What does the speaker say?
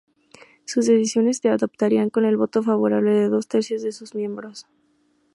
Sus decisiones se adoptarían con el voto favorable de dos tercios de sus miembros.